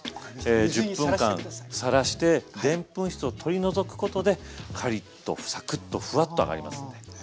１０分間さらしてでんぷん質を取り除くことでカリッとサクッとフワッと揚がりますので。